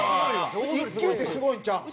１級ってすごいんちゃうん？